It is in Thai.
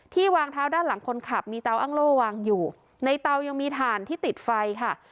วางเท้าด้านหลังคนขับมีเตาอ้างโล่วางอยู่ในเตายังมีถ่านที่ติดไฟค่ะ